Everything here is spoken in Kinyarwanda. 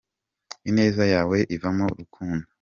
Ineza yawe ivamo urukundo